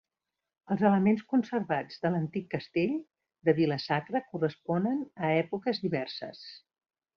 Els elements conservats de l'antic castell de Vila-sacra corresponen a èpoques diverses.